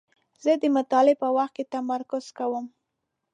زه د مطالعې په وخت کې تمرکز کوم.